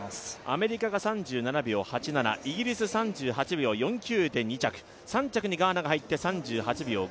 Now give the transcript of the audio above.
アメリカが３７秒８７、イギリス３８秒４９で２着、３着にガーナが入って３８秒５８